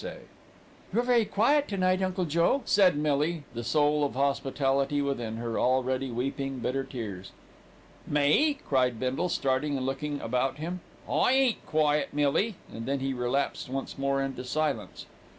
"You're very quiet to night, Uncle Joe," said Millie, the soul of hospitality within her already weeping bitter tears. "Me?" cried Bindle, starting and looking about him. "I ain't quiet, Millie," and then he relapsed once more into silence.